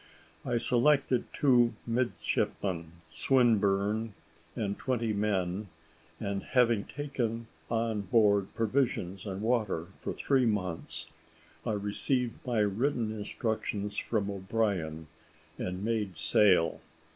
I selected two midshipmen, Swinburne, and twenty men, and having taken on board provisions and water for three months, I received my written instructions from O'Brien, and made sail.